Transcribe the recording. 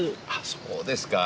そうですか。